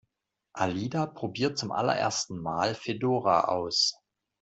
Alida probiert zum allerersten Mal Fedora aus.